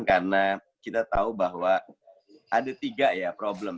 karena kita tahu bahwa ada tiga ya problem